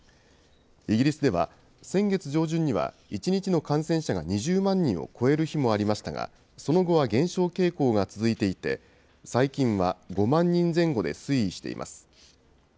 イギリスでは、先月上旬には１日の感染者が２０万人を超える日もありましたが、その後は減少傾向が続いていて、最近は５万人前後で推移しています。